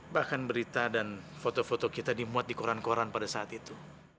bahkan berita dan foto foto kita dimuat di koran koran pada saat itu